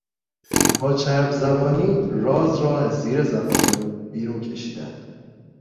با چرب زبانی راز را از زیر زبان او بیرون کشیدند.